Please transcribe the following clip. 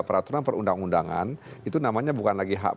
perutuan pemerintah konselasi vc dua puluh satu